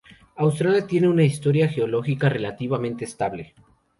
Australia tiene una historia geológica relativamente estable.